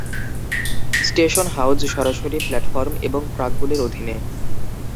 Station house সরাসরি platform এবং ট্র্যাকগুলির অধীনে।